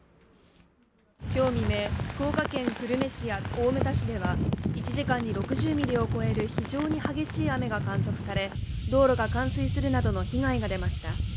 今日未明、福岡県久留米市や大牟田市では１時間に６０ミリを超える非常に激しい雨が観測され道路が冠水するなどの被害が出ました。